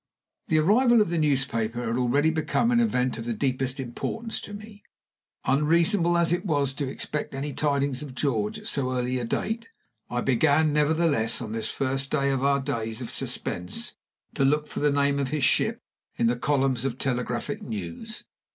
The arrival of the newspaper had already become an event of the deepest importance to me. Unreasonable as it was to expect any tidings of George at so early a date, I began, nevertheless, on this first of our days of suspense, to look for the name of his ship in the columns of telegraphic news.